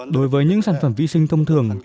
đối với những sản phẩm vi sinh thông thường